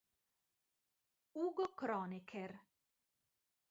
Hugo Kronecker.